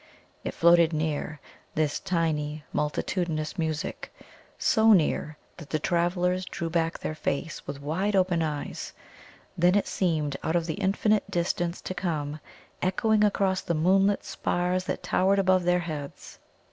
It floated near, this tiny, multitudinous music so near that the travellers drew back their face with wide open eyes. Then it seemed out of the infinite distance to come, echoing across the moonlit spars that towered above their heads.